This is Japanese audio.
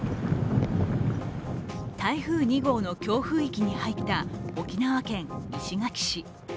台風２号の強風域に入った沖縄県石垣市。